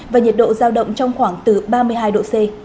và nhiệt độ giao động trong khoảng từ ba mươi hai độ c